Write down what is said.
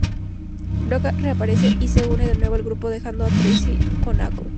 Brock reaparece y se une de nuevo al grupo dejando a Tracey con Oak.